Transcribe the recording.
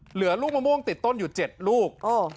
เหลือลูกมะม่วงติดต้นอยู่๗ลูก